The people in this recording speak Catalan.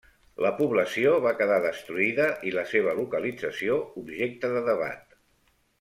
La població va quedar destruïda i la seva localització objecte de debat.